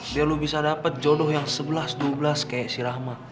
biar lu bisa dapet jodoh yang sebelas dua belas kayak si rahmat